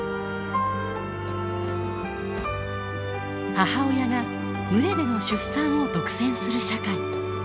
母親が群れでの出産を独占する社会。